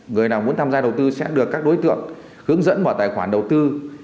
người nào muốn tham gia đầu tư sẽ được các đối tượng hướng dẫn mở tài khoản đầu tư